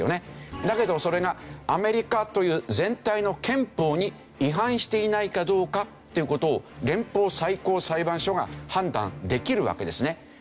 だけどそれがアメリカという全体の憲法に違反していないかどうかっていう事を連邦最高裁判所が判断できるわけですね。